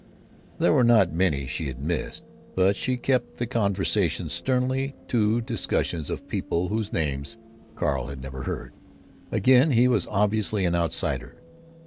There were not many she had missed; but she kept the conversation sternly to discussions of people whose names Carl had never heard. Again he was obviously an Outsider.